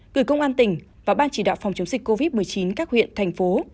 gửi công an tỉnh và ban chỉ đạo phòng chống dịch covid một mươi chín các huyện thành phố